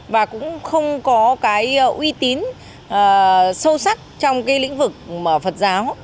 và cũng không có cái uy tín sâu sắc trong cái lĩnh vực phật giáo